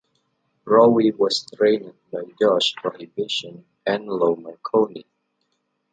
Rowe was trained by Josh Prohibition and Lou Marconi.